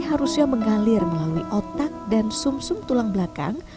harusnya mengalir melalui otak dan sum sum tulang belakang